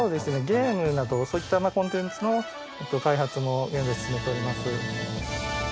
ゲームなどそういったコンテンツの開発も現在進めております。